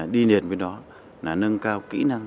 đi liền với đó là nâng cao kỹ năng